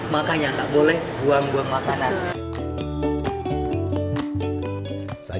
makanya nggak boleh buang buang makanan